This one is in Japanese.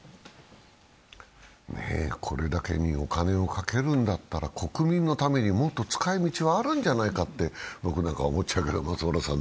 これだけにお金をかけるんだったら国民のためにもっと使いみちはあるんじゃないかと僕なんか思っちゃいますが。